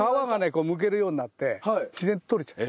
こう剥けるようになって自然と取れちゃう。